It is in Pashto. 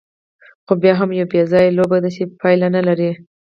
خو بیا هم یوه بېځایه لوبه ده، چې پایله نه لري.